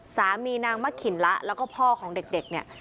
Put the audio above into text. สามีนางมะขินละแล้วก็พ่อของเด็กเนี่ย